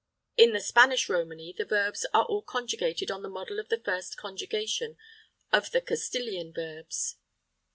In the Spanish Romany the verbs are all conjugated on the model of the first conjugation of the Castilian verbs.